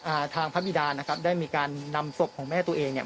อ่าทางพระบิดานะครับได้มีการนำศพของแม่ตัวเองเนี่ย